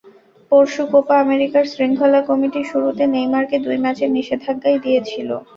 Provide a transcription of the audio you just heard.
পরশু কোপা আমেরিকার শৃঙ্খলা কমিটি শুরুতে নেইমারকে দুই ম্যাচের নিষেধাজ্ঞাই দিয়েছিল।